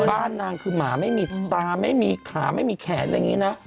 บ้านนางคือหมาไม่มีตาไม่มีขาไม่มีแขนอะไรอย่างนี้นะ